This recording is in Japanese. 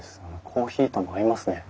コーヒーとも合いますね。